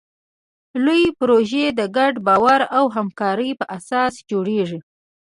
لویې پروژې د ګډ باور او همکارۍ په اساس جوړېږي.